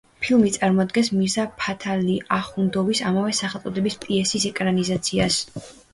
ფილმი წარმოადგენს მირზა ფათალი ახუნდოვის ამავე სახელწოდების პიესის ეკრანიზაციას.